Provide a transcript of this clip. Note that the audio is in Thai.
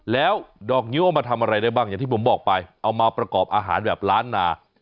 แล้วดอกงิ้วเอามาทำอะไรได้บ้างอย่างที่ผมบอกไปเอามาประกอบอาหารแบบล้านนา